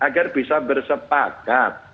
agar bisa bersepakat